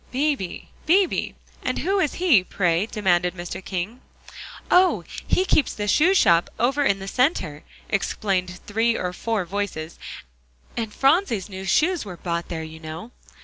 "Beebe Beebe, and who is he, pray?" demanded Mr. King. "Oh! he keeps the shoe shop over in the Center," explained three or four voices, "and Phronsie's new shoes were bought there, you know."